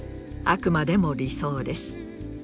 あくまでも理想です。